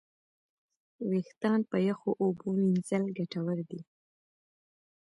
وېښتيان په یخو اوبو وینځل ګټور دي.